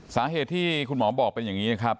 สาเหตุที่คุณหมอบอกเป็นอย่างนี้ครับ